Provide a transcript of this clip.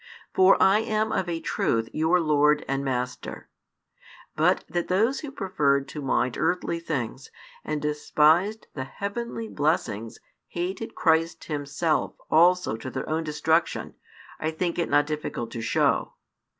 For I am of a truth your Lord and Master. But that those who preferred to mind earthly things and despised the heavenly blessings hated Christ Himself also to their own destruction, I think it not difficult to show.